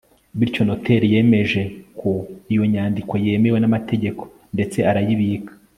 bityo noteri yemejeko iyo nyandiko yemewe n'amategeko ndetse arayibika